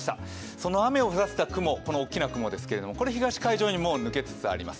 その雨を降らせた雲、この大きな雲ですけれども、これ、東海上にもう抜けつつあります。